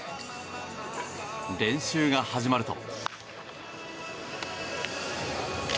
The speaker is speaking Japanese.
練習が始まると。